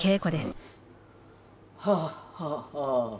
はっはっはっは。